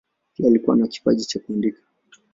Pia alikuwa na kipaji cha kuandika.